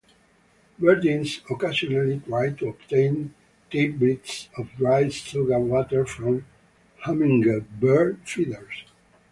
Verdins occasionally try to obtain tidbits of dried sugar water from hummingbird feeders.